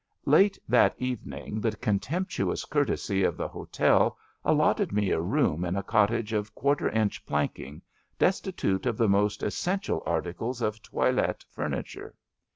Late that evening the contemptuous courtesy of the hotel allotted me a room in a cottage of quarter inch planking, destitute of the most es sential articles of toilette furniture.